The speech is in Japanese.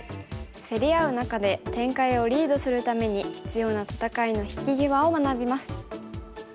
競り合う中で展開をリードするために必要な戦いの引き際を学びます。